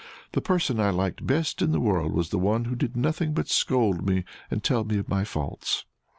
The person I liked best in the world was one who did nothing but scold me and tell me of my faults."